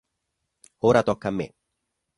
Ora tocca a me!